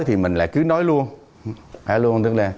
thì mình lại cứ nói luôn